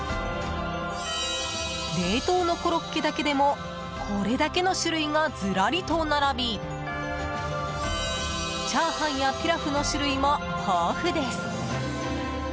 冷凍のコロッケだけでもこれだけの種類がずらりと並びチャーハンやピラフの種類も豊富です。